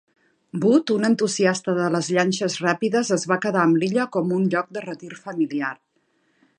Wood, un entusiasta de les llanxes ràpides, es va quedar amb l'illa com un lloc de retir familiar.